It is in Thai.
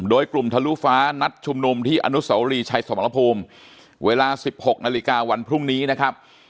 โดยกลุ่มทะลุฟ้านัดชุมนุมที่อนุสาวรีชัยสมรภูมิเวลา๑๖นาฬิกาวันพรุ่งนี้นะครับ